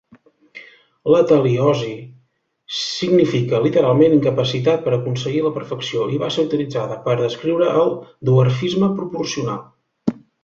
L'ateliosi significa literalment "incapacitat per aconseguir la perfecció", i va ser utilitzada per descriure el dwarfisme proporcional.